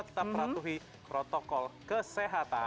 tetap ratuhi protokol kesehatan